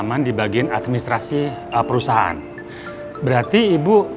mari bu silahkan duduk